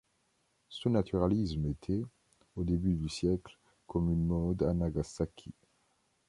Ce naturalisme était, au début du siècle, comme une mode à Nagasaki.